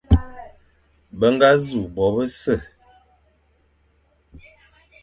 Be ñga nẑu bo bise,